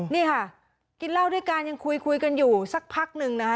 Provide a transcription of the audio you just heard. นี่ค่ะกินเหล้าด้วยกันยังคุยกันอยู่สักพักหนึ่งนะคะ